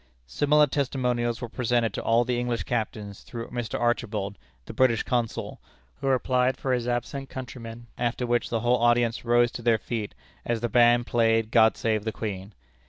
Similar testimonials were presented to all the English captains through Mr. Archibald, the British Consul, who replied for his absent countrymen, after which the whole audience rose to their feet, as the band played "God save the Queen."